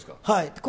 はい。